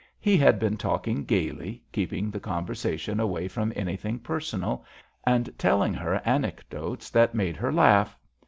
He had been talking gaily keeping the conversation away from anything personal, and telling her anecdotes that made her laugh.